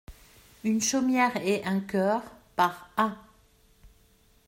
Une chaumière et un coeur, par A.